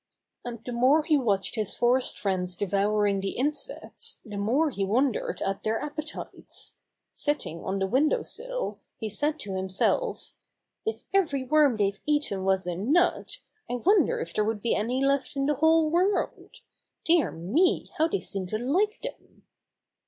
And the more he watched his forest friends devouring the insects the more he wondered at their appetites. Sitting on the window sill, he said to himself: "If every worm they've eaten was a nut I wonder if there would be any left in the whole world. Dear me, how they seem to like them